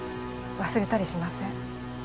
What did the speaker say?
忘れたりしません。